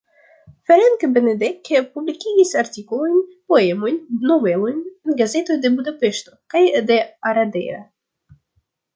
Ferenc Benedek publikigis artikolojn, poemojn, novelojn en gazetoj de Budapeŝto kaj de Oradea.